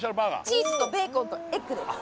チーズとベーコンとエッグです